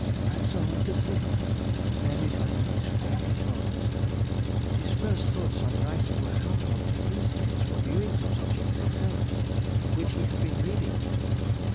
and so went to sleep buried under his favourite authors; and his first thoughts on rising were how to obtain instruments for viewing those objects himself of which he had been reading.